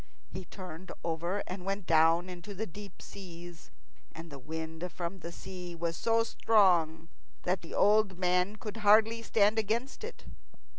He turned over and went down into the deep seas. And the wind from the sea was so strong that the old man could hardly stand against it.